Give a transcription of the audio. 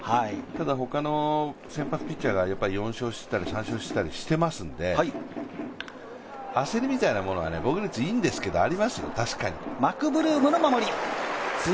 ただ、ほかの先発ピッチャーが４勝、３勝していたりしますので焦りみたいなのは、防御率はいいんですけど、ありますよ、確かに。